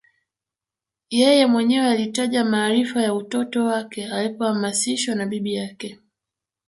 Yeye mwenyewe alitaja maarifa ya utoto wake alipohamasishwa na bibi yake